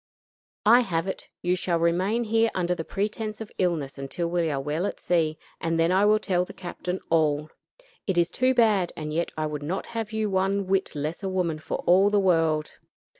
I have it; you shall remain here under the pretense of illness until we are well at sea, and then I will tell the captain all. It is too bad; and yet I would not have you one whit less a woman for all the world.